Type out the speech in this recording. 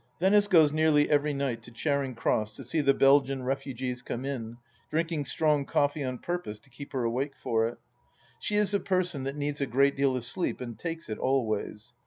... Venice goes nearly every night to Charing Cross to see the Belgian refugees come in, drinking strong coffee on pur pose to keep her awake for it. She is a person that needs a great deal of sleep, and takes it always.